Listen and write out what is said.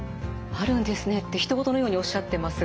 「あるんですね」ってひと事のようにおっしゃってますが。